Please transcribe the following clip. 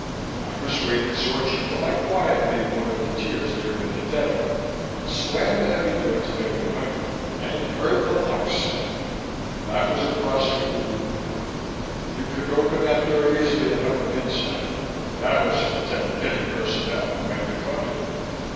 I persuaded Zorchi to lie quietly in one of the tiers near Benedetto, slammed the heavy door to Bay 100, and heard the locks snap. That was the crossing of the Rubicon. You could open that door easily enough from inside that was to protect any personnel who might be caught in there.